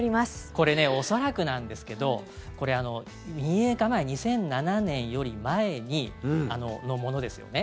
これ、恐らくなんですけど民営化前、２００７年より前のものですよね。